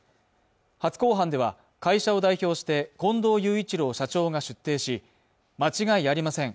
初公判では会社を代表して近藤雄一郎社長が出廷し間違いありません